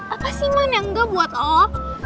apa sih man yang gak buat oof